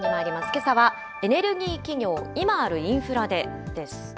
けさはエネルギー企業いまあるインフラでです。